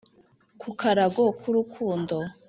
ku karago k'urukundo.